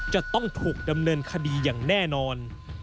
จะต้องถูกดำเนินคดีอย่างแน่นอน